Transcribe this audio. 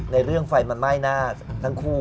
ในเรื่องไฟมันไหม้หน้าทั้งคู่